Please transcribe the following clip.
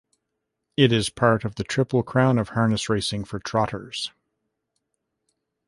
It is part of the Triple Crown of Harness Racing for Trotters.